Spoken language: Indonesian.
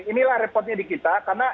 inilah repotnya di kita karena